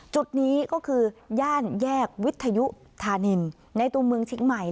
จุดนี้ก็คือย่านแยกวิทยุธานินในตัวเมืองเชียงใหม่